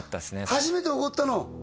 初めておごったの？